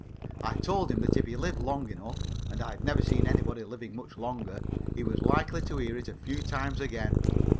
I told him that if he lived long enough and I'd never seen anybody living much longer he was likely to hear it a few times again.